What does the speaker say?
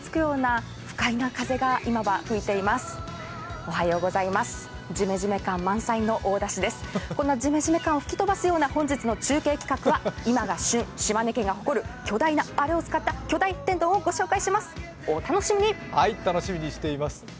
このジメジメ感を吹き飛ばすような本日の中継企画は今が旬、島根県が誇る巨大なあれを使ったものをご紹介します。